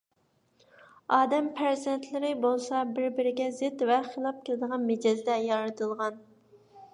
ئادەم پەرزەنتلىرى بولسا بىر - بىرىگە زىت ۋە خىلاپ كېلىدىغان مىجەزدە يارىتىلغان.